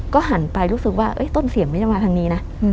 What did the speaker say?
หันไปรู้สึกว่าต้นเสียงไม่ได้มาทางนี้นะ